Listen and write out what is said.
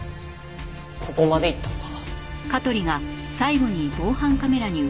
ここまで行ったのか。